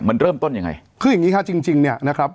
มันเริ่มต้นยังไงคืออย่างนี้ครับจริงจริงเนี่ยนะครับ